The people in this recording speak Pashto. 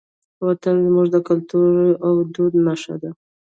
وطن زموږ د کلتور او دود نښه ده.